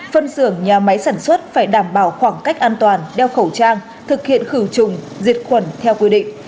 phân xưởng nhà máy sản xuất phải đảm bảo khoảng cách an toàn đeo khẩu trang thực hiện khử trùng diệt khuẩn theo quy định